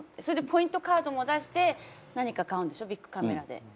それでポイントカードも出して何か買うんでしょビックカメラで。